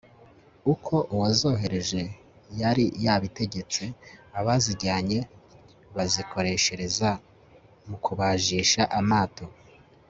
uko uwazohereje yari yabitegetse, abazijyanye bazikoreshereza mu kubajisha amato